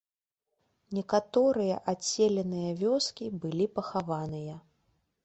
Некаторыя адселеныя вёскі былі пахаваныя.